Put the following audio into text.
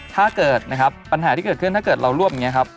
ถ้าเกิดนะครับปัญหาที่เกิดขึ้นถ้าเกิดเราร่วมอย่างนี้ครับ